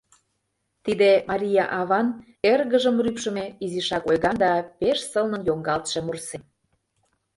Тиде — Мария аван Эргыжым рӱпшымӧ, изишак ойган да пеш сылнын йоҥгалтше мурсем.